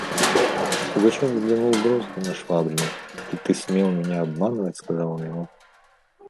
Пугачев взглянул грозно на Швабрина: «И ты смел меня обманывать! – сказал он ему.